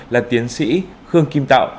là tiến sĩ khương kim tạo